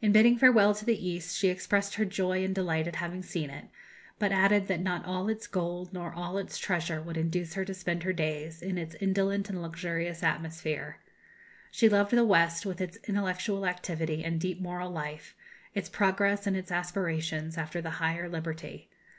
In bidding farewell to the East, she expressed her joy and delight at having seen it, but added that not all its gold, nor all its treasure, would induce her to spend her days in its indolent and luxurious atmosphere. She loved the West, with its intellectual activity and deep moral life, its progress and its aspirations after the higher liberty.